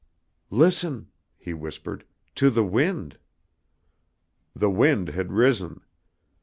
"Listen," he whispered, "to the wind." The wind had risen.